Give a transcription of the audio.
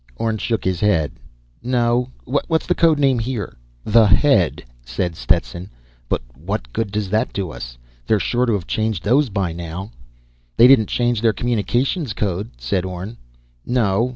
Orne shook his head. "No. What's the code name here?" "The Head," said Stetson. "But what good does that do us? They're sure to've changed those by now." "They didn't change their communications code," said Orne. "No